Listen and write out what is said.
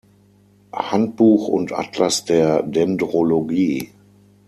Handbuch und Atlas der Dendrologie".